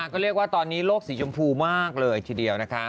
ก็เรียกว่าตอนนี้โลกสีชมพูมากเลยทีเดียวนะคะ